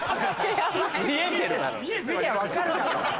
見りゃ分かるだろ！